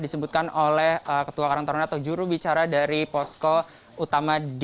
pemprov dki jakarta